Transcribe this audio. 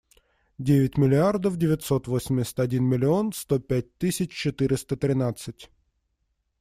Девять миллиардов девятьсот восемьдесят один миллион сто пять тысяч четыреста тринадцать.